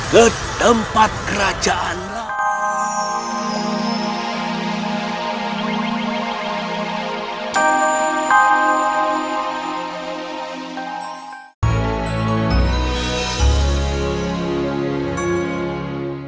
ke tempat kerajaan lain